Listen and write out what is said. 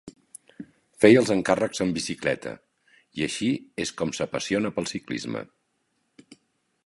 Feia els encàrrecs en bicicleta i així és com s'apassiona pel ciclisme.